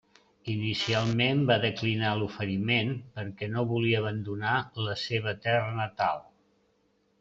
Inicialment va declinar l'oferiment perquè no volia abandonar la seua terra natal.